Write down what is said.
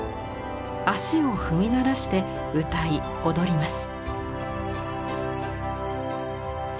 足を踏み鳴らして歌い踊ります。